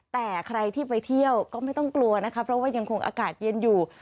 แต่ใครที่ไปเที่ยวก็ไม่ต้องกลัวนะคะเพราะว่ายังคงอากาศเย็นอยู่